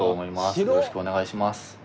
よろしくお願いします。